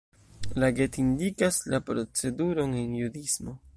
La Get indikas la proceduron en judismo.